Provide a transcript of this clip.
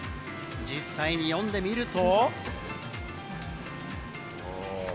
実際に読んでみると。